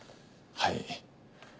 はい。